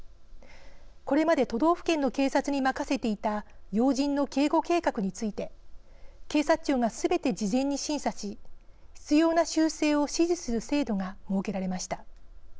これまで都道府県の警察に任せていた要人の警護計画について警察庁がすべて事前に審査し必要な修正を指示する制度が設けられました。